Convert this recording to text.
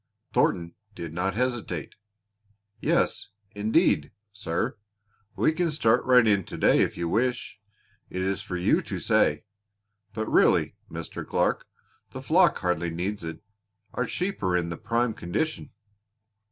Thornton did not hesitate. "Yes, indeed, sir. We can start right in to day if you wish. It is for you to say. But really, Mr. Clark, the flock hardly needs it. Our sheep are in prime condition."